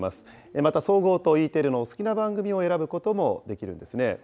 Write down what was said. また総合とＥテレのお好きな番組を選ぶこともできるんですね。